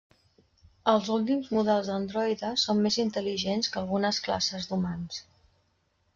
Els últims models d'androide són més intel·ligents que algunes classes d'humans.